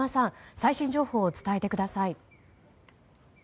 最新情報を伝えてください。